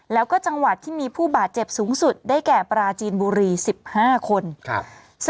แล้วก็จังหวัดที่มีผู้บาดเจ็บสูงสุดได้แก่ปราจีนบุรี๑๕คน